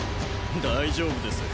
大丈夫です。